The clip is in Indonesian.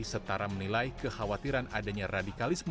setara menilai kekhawatiran adanya radikalisme